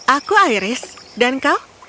aku iris dan kau